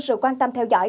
sự quan tâm theo dõi